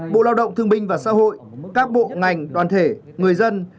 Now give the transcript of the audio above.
bộ lao động thương binh và xã hội các bộ ngành đoàn thể người dân